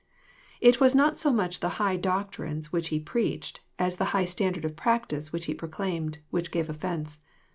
It was not so much the high doctrines which He preached, as the high standa'rH^of practice which He proclaimed, which gave offence.